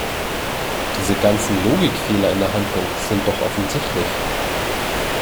Diese ganzen Logikfehler in der Handlung sind doch offensichtlich!